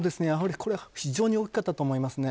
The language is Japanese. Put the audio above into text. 非常に大きかったと思いますね。